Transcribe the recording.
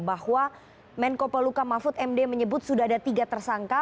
bahwa menko peluka mahfud md menyebut sudah ada tiga tersangka